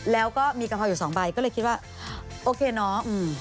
แล้วก็มีกะเพราอยู่สองใบก็เลยคิดว่าโอเคน้อง